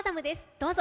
どうぞ。